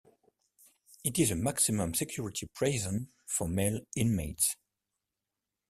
It is a maximum security prison for male inmates.